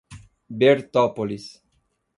Bertópolis